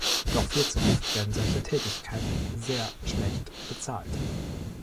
Doch viel zu oft werden solche Tätigkeiten sehr schlecht bezahlt.